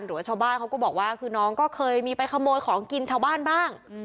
หรือว่าชาวบ้านเขาก็บอกว่าคือน้องก็เคยมีไปขโมยของกินชาวบ้านบ้าง